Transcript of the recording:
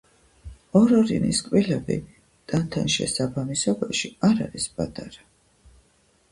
ორორინის კბილები ტანთან შესაბამისობაში არის პატარა.